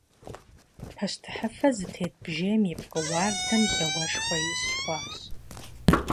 Пащтыхьыфэ зытет бжейм и пкъы уардэм жьауэшхуэ ищӏ хъуащ.